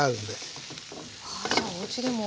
じゃあおうちでも。